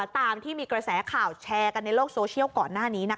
ตามที่มีกระแสข่าวแชร์กันในโลกโซเชียลก่อนหน้านี้